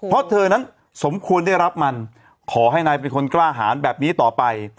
เพราะเธอนั้นสมควรได้รับมันขอให้นายเป็นคนกล้าหารแบบนี้ต่อไป